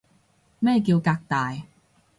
咩叫革大